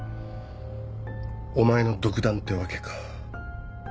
お前の独断ってわけか。